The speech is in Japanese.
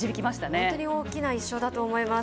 本当に大きな１勝だと思います。